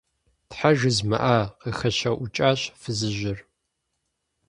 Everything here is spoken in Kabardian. – Тхьэ, жызмыӀа! – къыхэщэӀукӀащ фызыжьыр.